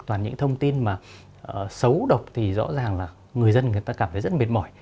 toàn những thông tin mà xấu độc thì rõ ràng là người dân người ta cảm thấy rất mệt mỏi